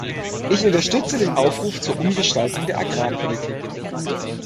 Ich unterstütze den Aufruf zur Umgestaltung der Agrarpolitik.